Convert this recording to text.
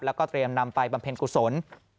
แล้วก็เตรียมนำไปบำเพ็ญกุศล